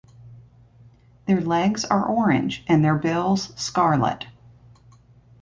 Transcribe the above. Their legs are orange and their bills scarlet.